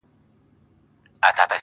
دومره ناهیلې ده چي ټول مزل ته رنگ ورکوي.